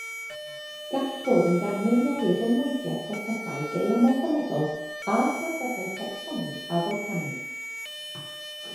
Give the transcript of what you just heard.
Gall fod yn ganlyniad i ryngweithiad prosesau geomorffolegol a phrosesau tectonig a folcanig.